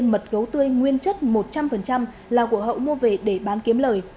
một mật gấu tươi nguyên chất một trăm linh là của hậu mua về để bán kiếm lời